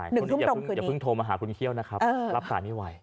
หนึ่งทุ่มตรงคืนนี้ใช่อย่าเพิ่งโทรมาหาคุณเคี่ยวนะครับรับการให้ไว